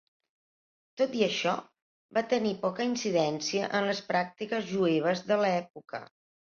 Tot i això, va tenir poca incidència en les pràctiques jueves de l'època.